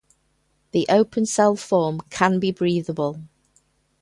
The open-cell form can be breathable.